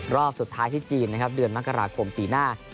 รอบสุดท้ายที่จีนนะครับเดือนมกราคมปีหน้า